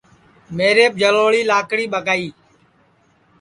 میریپ جݪوݪی لاکڑی ٻگائی